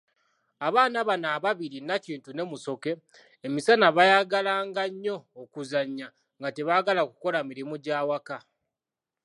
Abaana bano ababiri Nakintu ne Musoke, emisana baayagala nga nnyo okuzanya nga tebagala kukola mirimu gy'awaka.